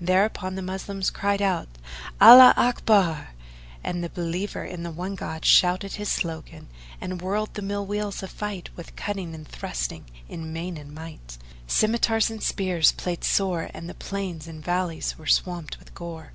Thereupon the Moslems cried out, "Allaho Akbar!" and the believer in the One God shouted his slogan, and whirled the mill wheels of fight with cutting and thrusting in main and might; scymitars and spears played sore and the plains and valleys were swamped with gore.